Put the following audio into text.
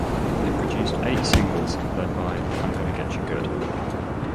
It produced eight singles, led by I'm Gonna Getcha Good!